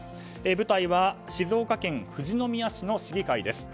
舞台は静岡県富士宮市の市議会です。